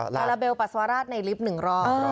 ลาลาเบลปัสสวะราชในลิฟท์หนึ่งรอบ